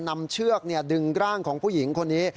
นำเชือกเนี้ยดึงร่างของผู้หญิงคนนี้